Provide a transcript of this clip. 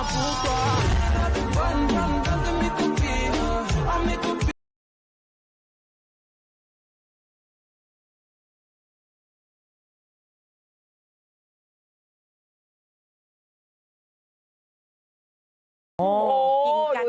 ตอนที่๕คุณพิการที่จะมาบ่อที่ลง